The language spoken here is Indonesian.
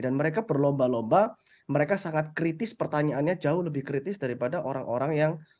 dan mereka berlomba lomba mereka sangat kritis pertanyaannya jauh lebih kritis daripada orang orang yang